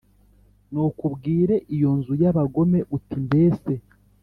Nuko ubwire iyo nzu y abagome uti mbese